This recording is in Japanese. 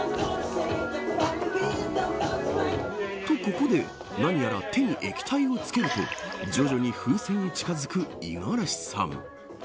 と、ここで何やら手に液体をつけると徐々に風船に近づく五十嵐さん。